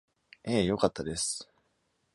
ええ、良かったです。